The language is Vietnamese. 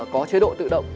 có chế độ tự động